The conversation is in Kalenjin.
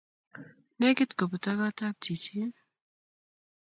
Nekit koputok kot ap chichin